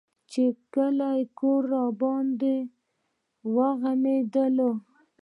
چې کلى کور راباندې وغمېدل.